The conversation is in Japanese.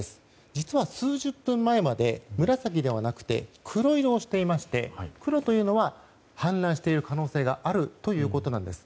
実は数十分前まで紫ではなく黒色をしていまして黒というのは氾濫している可能性があるということなんです。